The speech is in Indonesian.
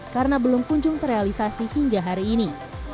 karena belum kunjung terrealisasi hingga hari ini